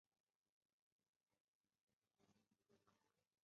李凯茵就读佛教黄允畋中学。